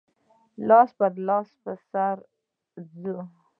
لاس په لاس به سره ځو.